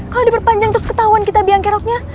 kalau diperpanjang terus ketahuan kita biang keroknya